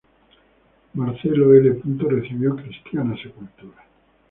Marcelo L. recibió cristiana sepultura.